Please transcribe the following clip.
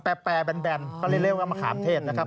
เปลี่ยนแปรแบนก็เรียกว่ามะขามเทศนะครับ